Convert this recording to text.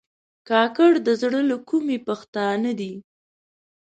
کاکړ د زړه له کومي پښتانه دي.